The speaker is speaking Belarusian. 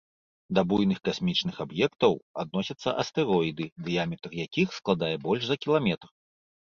Да буйных касмічных аб'ектаў адносяцца астэроіды, дыяметр якіх складае больш за кіламетр.